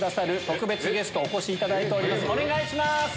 お願いします。